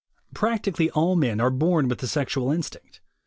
Prac tically all men are born with the sexual instinct.